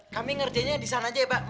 kami ngerjainnya disana aja ya pak